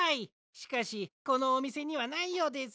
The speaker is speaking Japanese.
しかしこのおみせにはないようです。